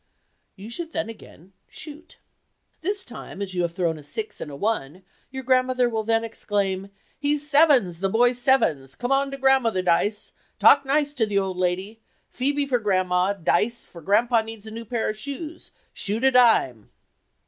You should then again "shoot." This time, as you have thrown a six and a one, your grandmother will then exclaim, "He sevens—the boy sevens—come on to grandmother, dice—talk to the nice old lady—Phoebe for grandma, dice, for grandpa needs a new pair of shoes—shoot a dime!"